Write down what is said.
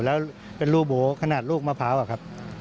แล้วเป็นรูโบขนาดลูกมะพร้าวอะครับ